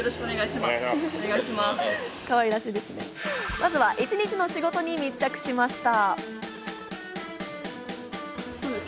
まずは一日の仕事に密着しました。